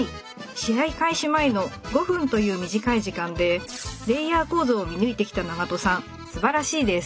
試合開始前の５分という短い時間でレイヤー構造を見抜いてきた長渡さんすばらしいです。